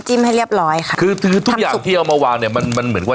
ใช่ค่ะอันนี้หอยขมเนี่ยเราร้างตัวต่อเลยค่ะ